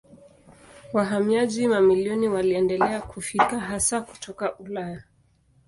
Wahamiaji mamilioni waliendelea kufika hasa kutoka Ulaya.